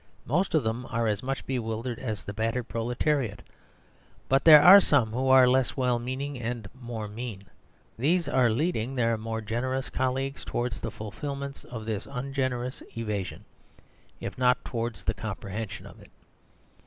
Most of them are as much bewildered as the battered proletariat; but there are some who are less well meaning and more mean. And these are leading their more generous colleagues towards the fulfilment of this ungenerous evasion, if not towards the comprehension of it.